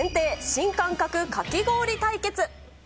新感覚かき氷対決。